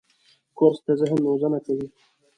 کورس د ذهن روزنه کوي.